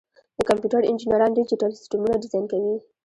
د کمپیوټر انجینران ډیجیټل سیسټمونه ډیزاین کوي.